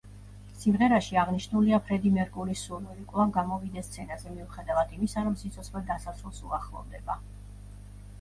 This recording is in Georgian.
სიმღერაში აღნიშნულია ფრედი მერკურის სურვილი, კვლავ გამოვიდეს სცენაზე, მიუხედავად იმისა, რომ სიცოცხლე დასასრულს უახლოვდება.